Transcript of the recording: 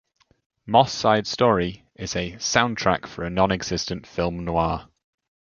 "Moss Side Story" is a "soundtrack for a non-existent film noir".